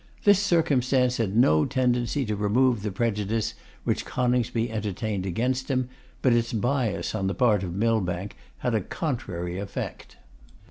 This circumstance had no tendency to remove the prejudice which Coningsby entertained against him, but its bias on the part of Millbank had a contrary effect.